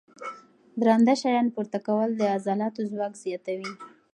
درانده شیان پورته کول د عضلاتو ځواک زیاتوي.